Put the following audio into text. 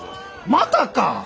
またか！？